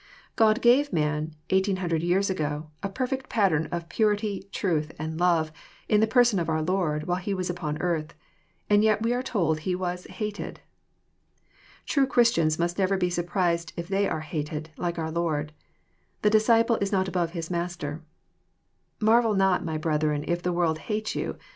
God gave man, 1800 years ago, a perfect pattern of purity, truth, and love, in the person of our Lord while He was upon earth. And yet we are told He was *' hated.*' True Christians must never be surprised if they are " hated like their Lor57^'"The disciple is not above his Master." —Marvel not, my brethren, if the world hate you."